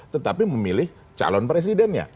tetapi memilih calon presidennya